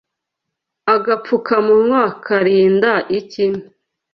Agapfukamunwa karinda iki?